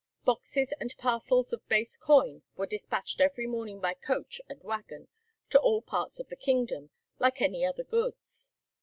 Boxes and parcels of base coin were despatched every morning by coach and waggon to all parts of the kingdom, like any other goods.